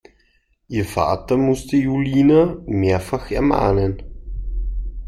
Ihr Vater musste Julina mehrfach ermahnen.